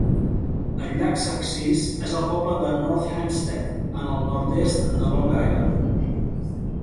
El llac Success és al poble de North Hempstead en el nord-oest de Long Island.